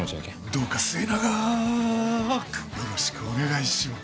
どうか末永くよろしくお願いします。